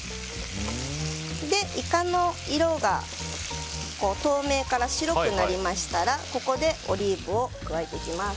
イカの色が透明から白くなりましたらここでオリーブを加えていきます。